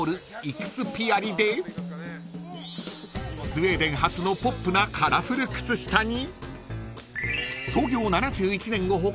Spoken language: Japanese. ［スウェーデン発のポップなカラフル靴下に］